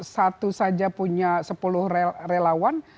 satu saja punya sepuluh relawan